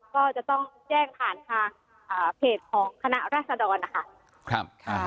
ก็จะต้องแจ้งผ่านทางเพจของคณะราษดรนะคะ